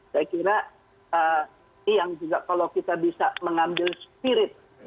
saya kira ini yang juga kalau kita bisa mengambil spirit